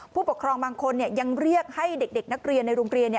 ผู้ปกครองบางคนยังเรียกให้เด็กนักเรียนในโรงเรียน